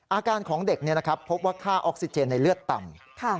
อาการของเด็กพบว่าค่าออกซิเจนในเลือดต่ำ